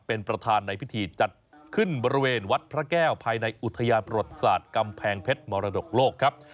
เป็นประธานในพิธีจัดขึ้นบริเวณวัดพระแก้วภายในอุทยานประวัติศาสตร์กำแพงเพชรมรดกโลกครับ